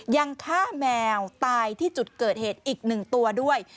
ยังฆ่าแมวตายที่จุดเกิดเหตุอีกหนึ่งตัวด้วย